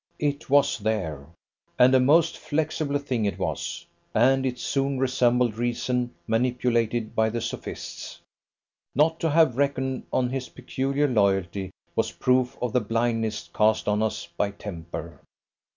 It was there, and a most flexible thing it was: and it soon resembled reason manipulated by the sophists. Not to have reckoned on his peculiar loyalty was proof of the blindness cast on us by temper.